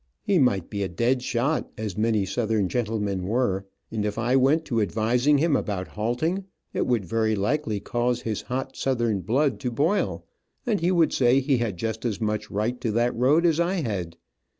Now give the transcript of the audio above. He might be a dead shot, as many Southern gentlemen were, and if I went to advising him about halting, it would, very likely cause his hot Southern blood to boil, and he would say he had just as much right to that road as I had.